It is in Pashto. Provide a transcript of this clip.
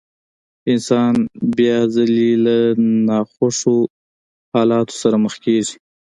انسان بيا ځلې له ناخوښو حالاتو سره مخ کېږي.